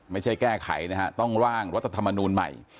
ไม่ใช่แก้ไขนะฮะต้องร่างรัฐธรรมนูลใหม่